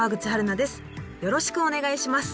よろしくお願いします。